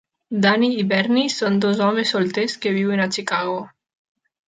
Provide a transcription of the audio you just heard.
Danny i Bernie són dos homes solters que viuen a Chicago.